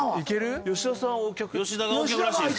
吉田がＯ脚らしいです。